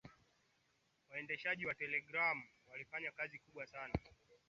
waendeshaji wa telegraph walifanya kazi kubwa sana